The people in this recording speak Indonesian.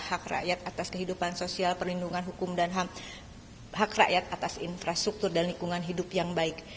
hak rakyat atas kehidupan sosial perlindungan hukum dan hak rakyat atas infrastruktur dan lingkungan hidup yang baik